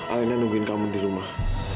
akhirnya nungguin kamu di rumah